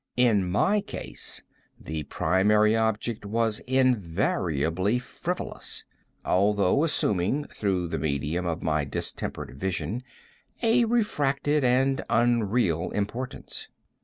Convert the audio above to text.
In my case, the primary object was invariably frivolous, although assuming, through the medium of my distempered vision, a refracted and unreal importance.